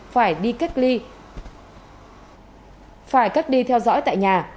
phải đi cách ly phải cách ly theo dõi tại nhà